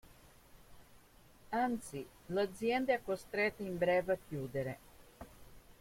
Anzi l'azienda è costretta in breve a chiudere.